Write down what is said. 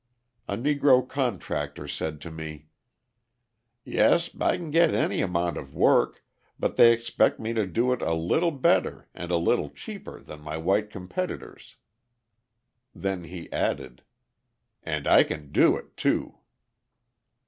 A Negro contractor said to me: "Yes, I can get any amount of work, but they expect me to do it a little better and a little cheaper than my white competitors." Then he added: "And I can do it, too!"